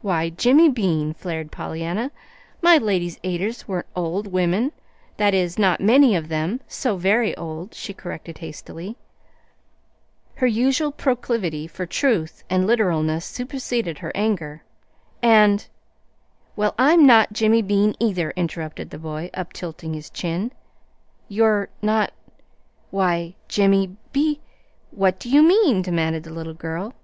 "Why, Jimmy Bean!" flared Pollyanna. "My Ladies' Aiders weren't old women that is, not many of them, so very old," she corrected hastily, her usual proclivity for truth and literalness superseding her anger; "and " "Well, I'm not Jimmy Bean, either," interrupted the boy, uptilting his chin. "You're not Why, Jimmy Be What do you mean?" demanded the little girl.